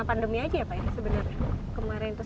pandemi aja ya pak ini sebenarnya